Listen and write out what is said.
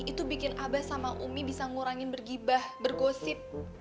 itu bikin abah sama umi bisa ngurangin bergibah bergosip